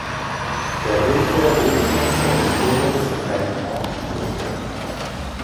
Der mittlere Durchmesser des Tunnels beträgt acht Meter.